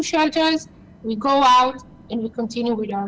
หมุดออกมินิตา